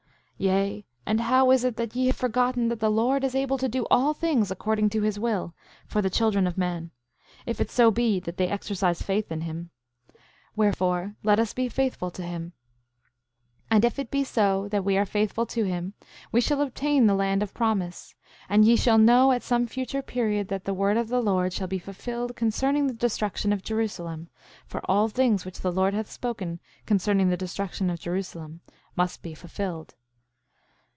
7:12 Yea, and how is it that ye have forgotten that the Lord is able to do all things according to his will, for the children of men, if it so be that they exercise faith in him? Wherefore, let us be faithful to him. 7:13 And if it so be that we are faithful to him, we shall obtain the land of promise; and ye shall know at some future period that the word of the Lord shall be fulfilled concerning the destruction of Jerusalem; for all things which the Lord hath spoken concerning the destruction of Jerusalem must be fulfilled.